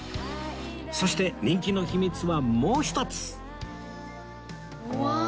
そして人気の秘密はもう一つうわ！